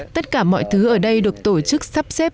tất cả mọi thứ ở đây được tổ chức sắp xếp